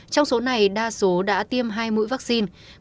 trong số này đa số đã tiêm hai mũi vaccine